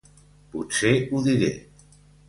Potser ho diré.